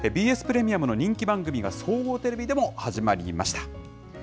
ＢＳプレミアムの人気番組が、総合テレビでも始まりました。